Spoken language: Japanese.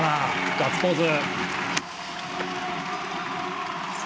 ガッツポーズ。